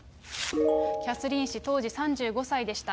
キャスリーン氏当時３５歳でした。